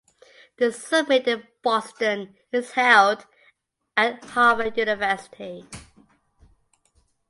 The summit in Boston is held at Harvard University.